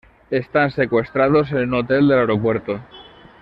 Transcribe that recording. Están secuestrados en un hotel del aeropuerto.